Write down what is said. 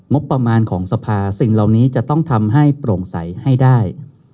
งบประมาณของสภาสิ่งเหล่านี้จะต้องทำให้โปร่งใสให้ได้